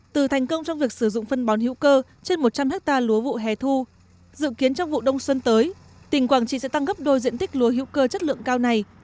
từ thành công trong việc sử dụng phân bón hữu cơ trên một trăm linh hectare lúa vụ hè thu dự kiến trong vụ đông xuân tới tỉnh quảng trị sẽ tăng gấp đôi diện tích lúa hữu cơ chất lượng cao này